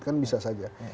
kan bisa saja